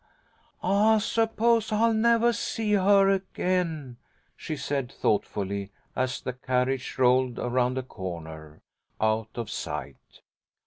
"I suppose I'll nevah see her again," she said, thoughtfully, as the carriage rolled around a corner, out of sight.